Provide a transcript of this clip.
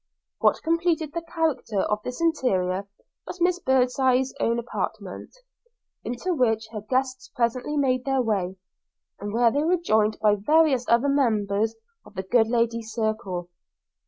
What completed the character of this interior was Miss Birdseye's own apartment, into which her guests presently made their way, and where they were joined by various other members of the good lady's circle.